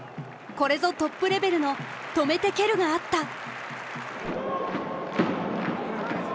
これぞトップレベルの「止めて蹴る」があった。